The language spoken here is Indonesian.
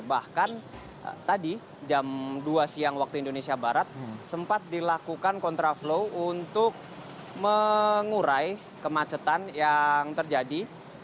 bahkan tadi jam dua siang waktu indonesia barat sempat dilakukan kontraflow untuk mengurai kemacetan yang terjadi